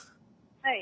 はい。